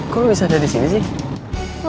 kok lo bisa ada disini sih